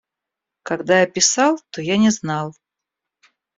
– Когда я писал, то я не знал.